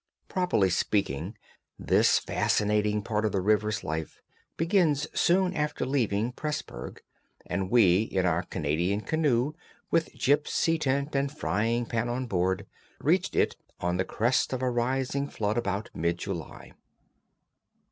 Properly speaking, this fascinating part of the river's life begins soon after leaving Pressburg, and we, in our Canadian canoe, with gipsy tent and frying pan on board, reached it on the crest of a rising flood about mid July.